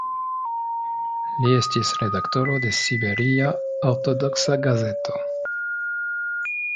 Li estis redaktoro de "Siberia ortodoksa gazeto".